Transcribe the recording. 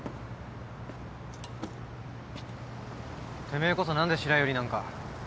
てめえこそ何で白百合なんか。